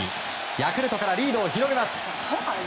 ヤクルトからリードを広げます。